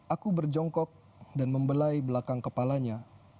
aku berjongkok dan membelai belakang kepalanya